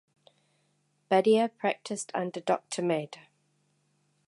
Badia practiced under Doctor med.